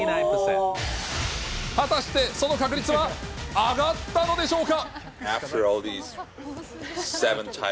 果たしてその確率は上がったのでしょうか。